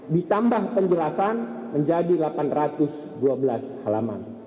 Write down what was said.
ditambah penjelasan menjadi delapan ratus dua belas halaman